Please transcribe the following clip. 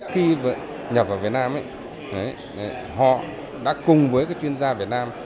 khi nhập vào việt nam họ đã cùng với chuyên gia việt nam